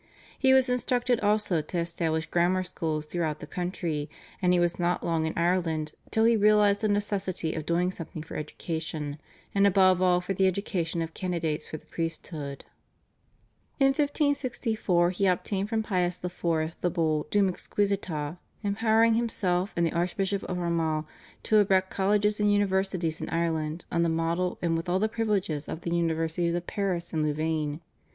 He was instructed also to establish grammar schools throughout the country, and he was not long in Ireland till he realised the necessity of doing something for education, and above all for the education of candidates for the priesthood. In 1564 he obtained from Pius IV. the Bull, /Dum exquisita/, empowering himself and the Archbishop of Armagh to erect colleges and universities in Ireland on the model and with all the privileges of the Universities of Paris and Louvain.